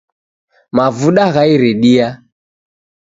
Mavuda gha iridia